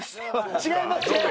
違います！